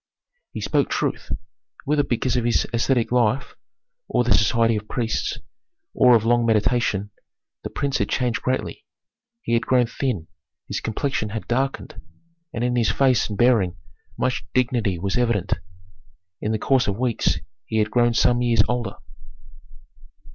He spoke truth. Whether because of ascetic life, or the society of priests, or of long meditation, the prince had changed greatly. He had grown thin, his complexion had darkened, and in his face and bearing much dignity was evident. In the course of weeks he had grown some years older.